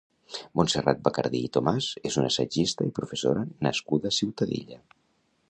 Montserrat Bacardí i Tomàs és una assagista i professora nascuda a Ciutadilla.